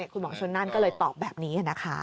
คุณหมอชนนั่นก็เลยตอบแบบนี้นะคะ